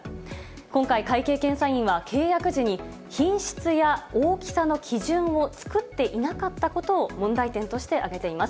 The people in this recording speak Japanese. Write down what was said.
今回、会計検査院は契約時に品質や大きさの基準を作っていなかったことを問題点として挙げています。